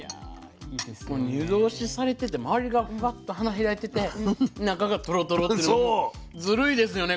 湯通しされてて周りがフワッと花開いてて中がトロトロっていうのはもうずるいですよね